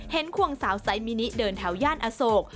ควงสาวไซสมินิเดินแถวย่านอโศก